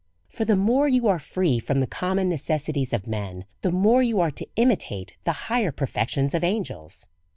For the more you are free from the common necessities of men, the more you are to imitate the higher perfections of angels.